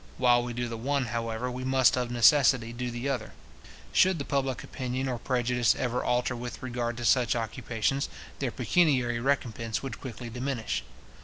While we do the one, however, we must of necessity do the other, Should the public opinion or prejudice ever alter with regard to such occupations, their pecuniary recompence would quickly diminish.